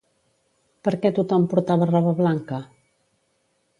Per què tothom portava roba blanca?